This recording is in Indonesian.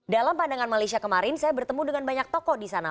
dalam pandangan malaysia kemarin saya bertemu dengan banyak tokoh di sana